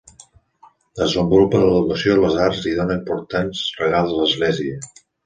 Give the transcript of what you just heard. Desenvolupa l'educació i les arts i dóna importants regals a l'Església.